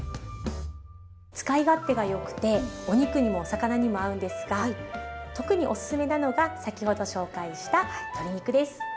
使い勝手がよくてお肉にもお魚にも合うんですが特におすすめなのが先ほど紹介した鶏肉です。